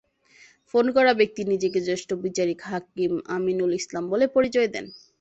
Phone করা ব্যক্তি নিজেকে জ্যেষ্ঠ বিচারিক হাকিম আমিনুল ইসলাম বলে পরিচয় দেন।